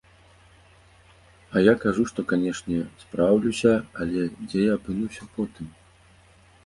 А я кажу, што, канечне, спраўлюся, але дзе я апынуся потым?